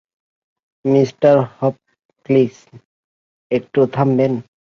Mister Hopkins, একটু থামবেন?